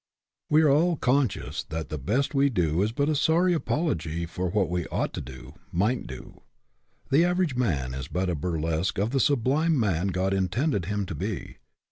We are all conscious that the best we do is but a sorry apology for what we ought to do, might do. The average man is but a burlesque of the sublime man God intended him to be.